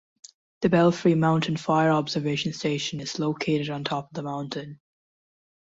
The Belfry Mountain Fire Observation Station is located on top of the mountain.